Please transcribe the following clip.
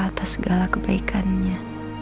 atas segala kebaikannya